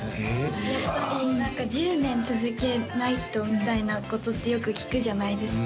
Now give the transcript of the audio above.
やっぱり１０年続けないとみたいなことってよく聞くじゃないですか